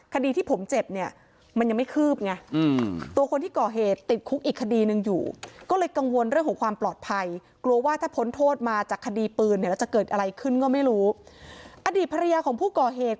คดีที่ผมเจ็บเนี่ยมันยังไม่คืบไงตัวคนที่ก่อเหตุติดคุกอีกคดีนึงอยู่